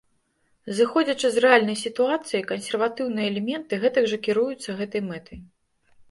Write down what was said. Зыходзячы з рэальнай сітуацыі, кансерватыўныя элементы гэтак жа кіруюцца гэтай мэтай.